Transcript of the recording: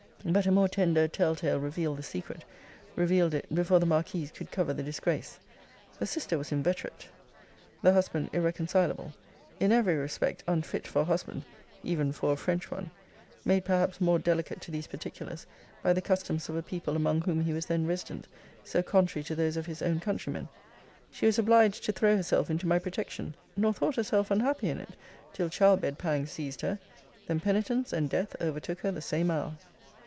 But a more tender tell tale revealed the secret revealed it, before the marquise could cover the disgrace. The sister was inveterate; the husband irreconcilable; in every respect unfit for a husband, even for a French one made, perhaps, more delicate to these particulars by the customs of a people among whom he was then resident, so contrary to those of his own countrymen. She was obliged to throw herself into my protection nor thought herself unhappy in it, till childbed pangs seized her: then penitence, and death, overtook her the same hour!'